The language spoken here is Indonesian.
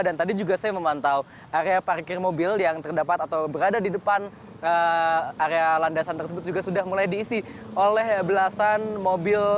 dan tadi juga saya memantau area parkir mobil yang terdapat atau berada di depan area landasan tersebut juga sudah mulai diisi oleh belasan mobil